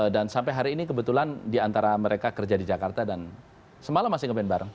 dan sampai hari ini kebetulan diantara mereka kerja di jakarta dan semalam masih ngeband bareng